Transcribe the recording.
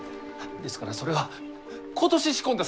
ですからそれは今年仕込んだ